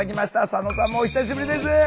佐野さんもお久しぶりです。